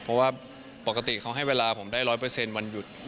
เพราะว่าปกติเขาให้เวลาผมได้๑๐๐วันหยุด